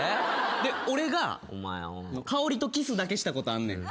で俺がカオリとキスだけしたことあんねん。